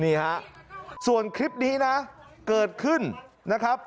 นี่ฮะส่วนคลิปนี้นะเกิดขึ้นนะครับ